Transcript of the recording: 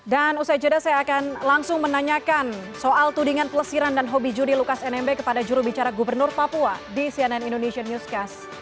dan usai jeda saya akan langsung menanyakan soal tudingan pelesiran dan hobi judi lukas nmb kepada jurubicara gubernur papua di cnn indonesian newscast